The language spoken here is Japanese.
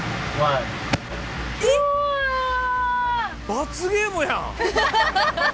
罰ゲームやん！